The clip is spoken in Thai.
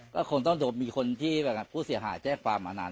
ก็คงต้องโดนมีคนที่แบบผู้เสียหายแจ้งความมานาน